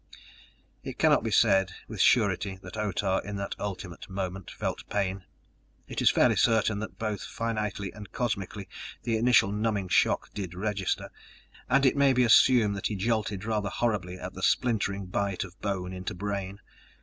It cannot be said, with surety, that Otah in that ultimate moment felt pain. It is fairly certain that both finitely and cosmically the initial numbing shock did register; and it may be assumed that he jolted rather horribly at the splintering bite of bone into brain.